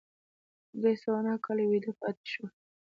درې سوه نهه کاله ویده پاتې شول.